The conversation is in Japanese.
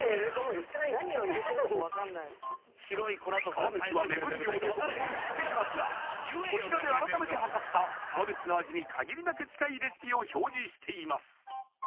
川口は目分量でどんどんいっていますがこちらで改めてはかった川口の味に限りなく近いレシピを表示しています